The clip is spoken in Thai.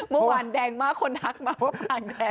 เมื่อวานแดงมากคนทักมาว่าผ่านแดน